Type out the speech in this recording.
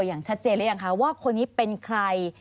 อย่างชัดเจนหรือยังคะว่าคนนี้เป็นใคร